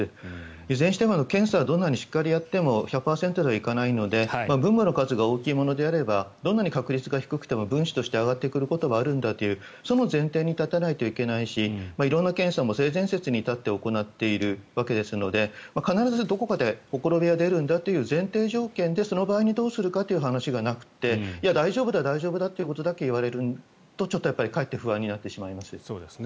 いずれにしても検査をどんなにしっかりしても１００％とはいかないので分母の数が大きいものであればどんなに確率が低くても分子として上がってくることがあるんだというその前提に立たないといけないしどの検査も性善説に立って行っているわけですので必ずどこかでほころびが出るんだという前提条件でその場合にどうするかという話がなくていや、大丈夫だということだけ言われるとかえって不安になると思います。